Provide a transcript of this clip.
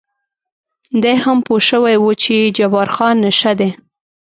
دی هم پوه شوی و چې جبار خان نشه دی.